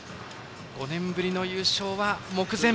５年ぶりの優勝は目前。